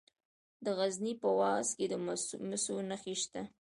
د غزني په واغظ کې د مسو نښې شته.